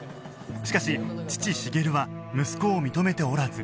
しかし父茂は息子を認めておらず